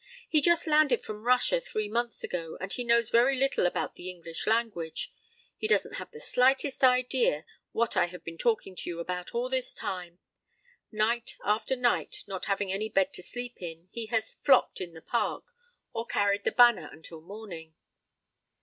"He just landed from Russia three months ago, and he knows very little about the English language. He doesn't have the slightest idea what I have been talking to you about all this time. Night after night, not having any bed to sleep in, he has 'flopped' in the park or 'carried the banner' until morning."